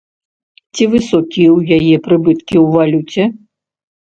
Ці высокія ў яе прыбыткі ў валюце?